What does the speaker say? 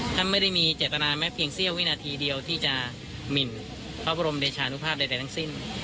ท่านไม่ได้มีเจตนาแม้เพียงเสี้ยววินาทีเดียวที่จะหมินพระบรมเดชานุภาพใดทั้งสิ้น